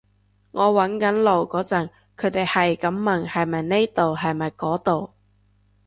我搵緊路嗰陣，佢哋喺咁問係咪呢度係咪嗰度